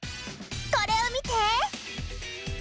これをみて！